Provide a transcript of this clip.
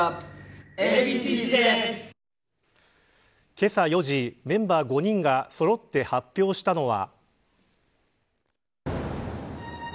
けさ４時、メンバー５人がそろって発表したのは。